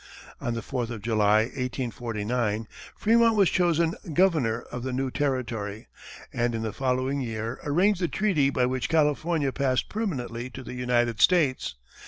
On the fourth of July, 1849, Frémont was chosen governor of the new territory, and in the following year, arranged the treaty by which California passed permanently to the United States.